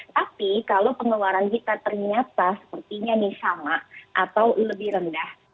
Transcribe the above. tapi kalau pengeluaran kita ternyata sepertinya nih sama atau lebih rendah